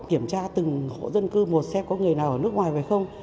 hiểm tra từng hộ dân cư một xem có người nào ở nước ngoài phải không